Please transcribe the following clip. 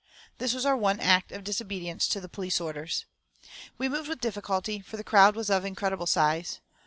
This was our one act of disobedience to police orders. We moved with difficulty, for the crowd was of incredible size.